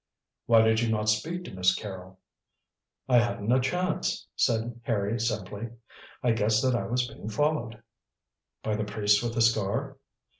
"Why did you not speak to Miss Carrol?" "I hadn't a chance," said Harry simply. "I guessed that I was being followed." "By the priest with the scar?"